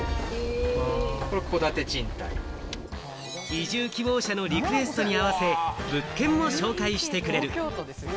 移住希望者のリクエストに合わせ、物件も紹介してくれる。